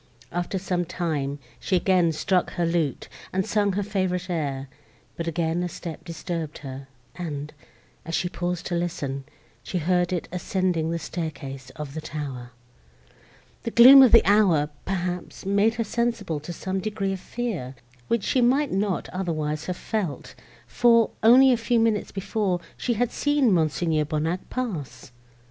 After some time, she again struck her lute, and sung her favourite air; but again a step disturbed her, and, as she paused to listen, she heard it ascending the staircase of the tower. The gloom of the hour, perhaps, made her sensible to some degree of fear, which she might not otherwise have felt; for, only a few minutes before, she had seen Mons. Bonnac pass.